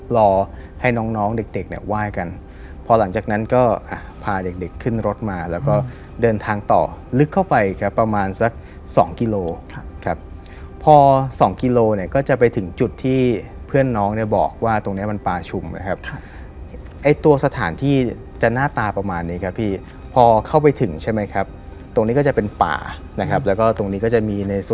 รอให้น้องน้องเด็กเด็กเนี่ยไหว้กันพอหลังจากนั้นก็อ่ะพาเด็กเด็กขึ้นรถมาแล้วก็เดินทางต่อลึกเข้าไปครับประมาณสักสองกิโลครับครับพอสองกิโลเนี่ยก็จะไปถึงจุดที่เพื่อนน้องเนี่ยบอกว่าตรงเนี้ยมันป่าชุมนะครับไอ้ตัวสถานที่จะหน้าตาประมาณนี้ครับพี่พอเข้าไปถึงใช่ไหมครับตรงนี้ก็จะเป็นป่านะครับแล้วก็ตรงนี้ก็จะมีเล